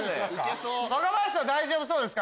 若林さん大丈夫そうですか？